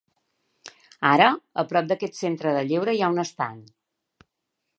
Ara, a prop d'aquest centre de lleure hi ha un estany.